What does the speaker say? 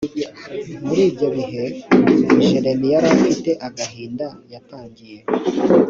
muri ibyo bihe jeremy yari afite agahinda yatangiye